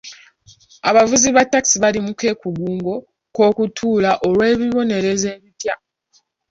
Abavuzi ba taxi bali mu keegugungo k'okutuula olw'ebibonerezo ebipya.